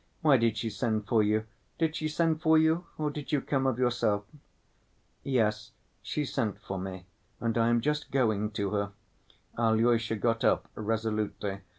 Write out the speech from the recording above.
Why did she send for you? Did she send for you or did you come of yourself?" "Yes, she sent for me, and I am just going to her." Alyosha got up resolutely.